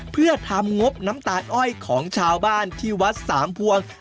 เพื่อทำงบน้ำตาลอ้อยของชาวบ้านที่วัดสามพวง